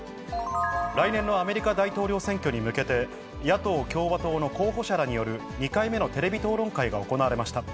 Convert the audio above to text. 来年のアメリカ大統領選挙に向けて、野党・共和党の候補者らによる２回目のテレビ討論会が行われました。